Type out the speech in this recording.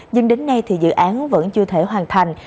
nhưng đến nay thì dự án vẫn chưa thể hoàn thành